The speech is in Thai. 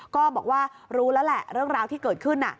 ก็บอกว่ารู้แล้วแหละเรื่องราวที่เกิดขึ้น